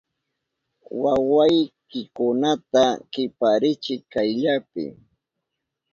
¡Wawaykikunata kiparichiy kayllapi!